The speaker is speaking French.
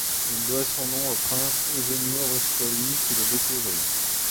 Il doit son nom au prince Eugenio Ruspoli qui le découvrit.